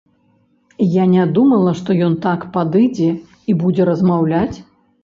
Я не думала, што ён так падыдзе і будзе размаўляць.